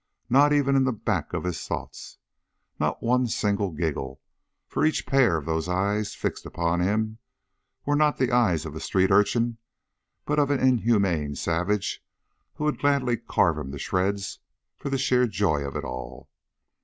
Not even in the back of his thoughts. Not one single giggle, for each pair of those eyes fixed upon him were not the eyes of a street urchin, but of an inhuman savage who would gladly carve him to shreds for the sheer joy of it all.